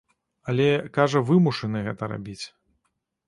Але, кажа, вымушаны гэта рабіць.